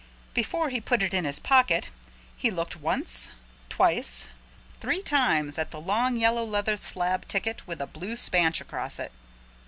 Before he put it in his pocket he looked once, twice, three times at the long yellow leather slab ticket with a blue spanch across it.